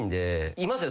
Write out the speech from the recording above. いますよ